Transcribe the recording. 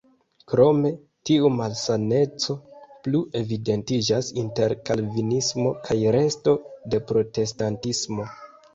Krome tiu malsameco plu evidentiĝas inter kalvinismo kaj resto de protestantismo.